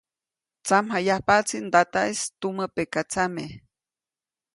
Tsamjayajpaʼtsi ndataʼis tumä pekatsame.